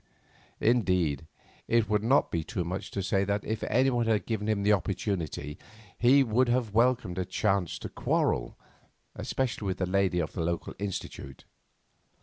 Indeed it would not be too much to say that if anyone had given him the opportunity he would have welcomed a chance to quarrel, especially with the lady of the local Institute.